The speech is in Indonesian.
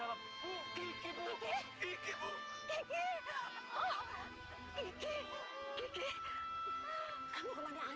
ampun bagi darah tu